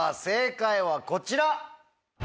正解はこちら！